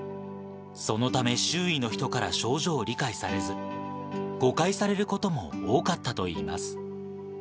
そのため、周囲の人から症状を理解されず、誤解されることも多かったといいます。